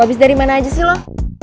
abis dari mana aja sih lo